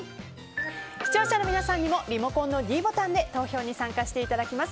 視聴者の皆さんにもリモコンのｄボタンで投票に参加していただきます。